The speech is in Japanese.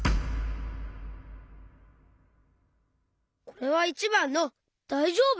これは①ばんの「だいじょうぶ？」。